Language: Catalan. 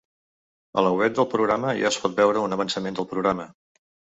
A la web del programa ja es pot veure un avançament del programa.